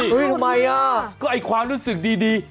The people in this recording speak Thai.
เฮ้ยทำไมล่ะก็ความรู้สึกดี